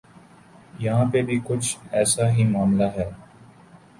یہاں پہ بھی کچھ ایسا ہی معاملہ ہے۔